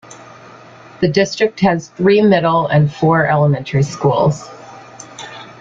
The district has three middle and four elementary schools.